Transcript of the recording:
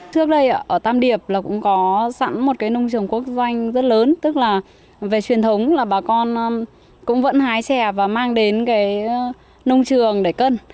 trước đây ở tam điệp là cũng có sẵn một cái nông trường quốc doanh rất lớn tức là về truyền thống là bà con cũng vẫn hái chè và mang đến cái nông trường để cân